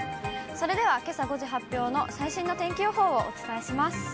それではけさ５時発表の最新の天気予報をお伝えします。